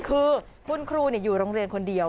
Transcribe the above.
คือคุณครูอยู่โรงเรียนคนเดียว